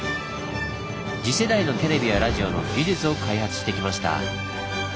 次世代のテレビやラジオの技術を開発してきました。